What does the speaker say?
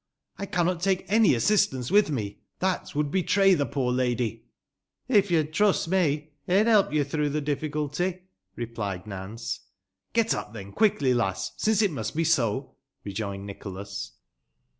I cannot take any assistance witb me. Tbat would betray tbe poor lady*" " Ö yo'n trust me, ey'n belp yo tbroii^b tbe difficulty," replied Nance. " Get up, tben, quickly, lass, since it must be so," rejoined Nicbolas.